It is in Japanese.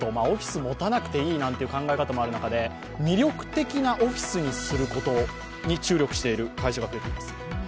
オフィスを持たなくてもいいなんていう考え方がある中で魅力的なオフィスにすることに注力している会社が増えています。